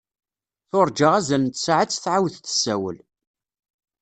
Turǧa azal n tsaɛet tɛawed tessawel.